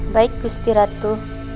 baik gusti ratu